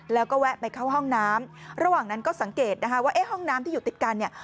แล้วก็แวะไปเข้าห้องน้ำระหว่างนั้นก็สังเกตนะคะว่าเอ๊ะห้องน้ำที่อยู่ติดกันเนี่ย